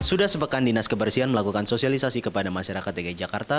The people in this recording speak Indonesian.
sudah sepekan dinas kebersihan melakukan sosialisasi kepada masyarakat dki jakarta